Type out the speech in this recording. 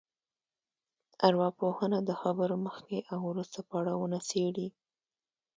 ارواپوهنه د خبرو مخکې او وروسته پړاوونه څېړي